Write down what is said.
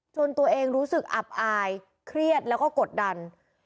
ตัวเองรู้สึกอับอายเครียดแล้วก็กดดัน